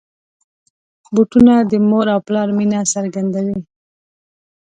بوټونه د مور او پلار مینه څرګندوي.